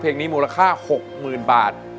เพลงนี้มูลค่า๖๐๐๐บาท